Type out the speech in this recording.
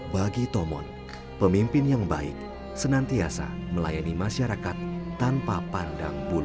bagi tomon pemimpin yang baik senantiasa melayani masyarakat tanpa pandang bulu